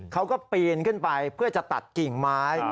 เขาก็ปีนขึ้นไปเพื่อจะตัดกิ่งไม้